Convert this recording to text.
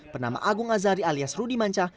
bernama agung azhari alias rudi manca